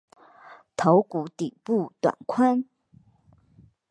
头骨顶部短宽。